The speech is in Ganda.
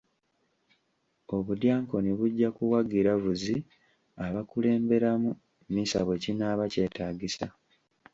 Obudyankoni bujja kuwa giraavuzi abakulemberamu mmisa bwe kinaaba kyetaagisa.